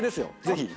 ぜひ。